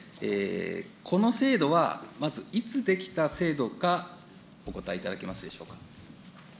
この制度は、まず、いつ出来た制度か、お答えいただけますでしょうか。